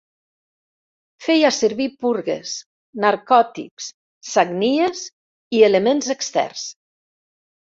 Feia servir purgues, narcòtics, sagnies i elements externs.